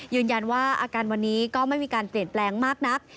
ยืนยันว่าอาการวันนี้ก็ไม่มีการเปลี่ยนแปลงมากนัก